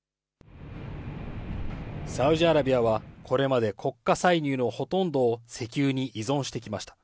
サウジアラビアはこれまで国家歳入のほとんどを石油に依存してきました。